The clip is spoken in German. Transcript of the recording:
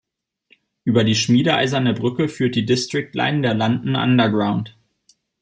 Über die schmiedeeiserne Brücke führt die District Line der London Underground.